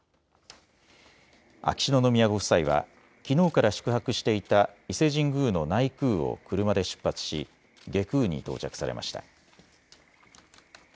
秋篠宮ご夫妻はきのうから宿泊していた伊勢神宮の内宮を車で出発し外宮に到着されました。